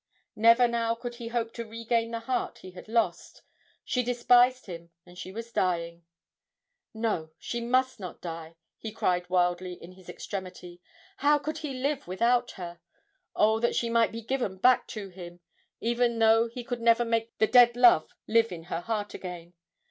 Never now could he hope to regain the heart he had lost, she despised him and she was dying. No, she must not die, he cried wildly in his extremity, how could he live without her? Oh, that she might be given back to him, even though he could never make the dead love live in her heart again!